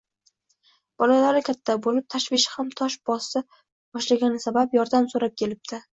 Bolalari katta bo‘lib, tashvishi ham tosh bosa boshlagani sabab yordam so‘rab kelbdi